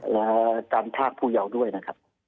และการพรากผู้เยาว์ด้วยนะครับ